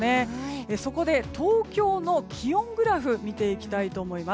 そこで、東京の気温グラフを見ていきたいと思います。